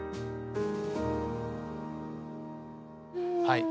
はい。